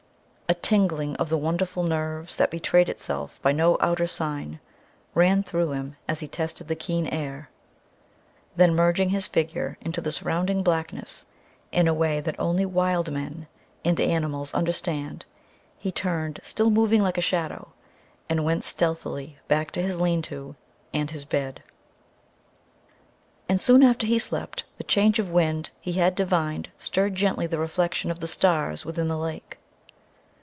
A tingling of the wonderful nerves that betrayed itself by no outer sign, ran through him as he tasted the keen air. Then, merging his figure into the surrounding blackness in a way that only wild men and animals understand, he turned, still moving like a shadow, and went stealthily back to his lean to and his bed. And soon after he slept, the change of wind he had divined stirred gently the reflection of the stars within the lake.